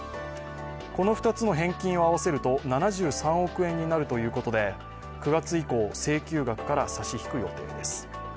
この２つの返金を合わせると７３億円になるということで、９月以降、請求額から差し引く予定です。